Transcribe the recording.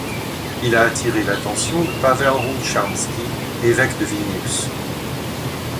Il a attiré l'attention de Paweł Holszański, évêque de Vilnius.